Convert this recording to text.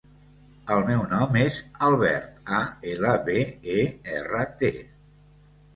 El meu nom és Albert: a, ela, be, e, erra, te.